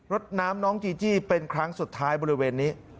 ดน้ำน้องจีจี้เป็นครั้งสุดท้ายบริเวณนี้